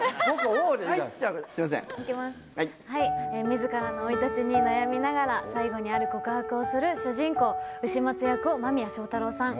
自らの生い立ちに悩みながら最後にある告白をする主人公丑松役を間宮祥太朗さん。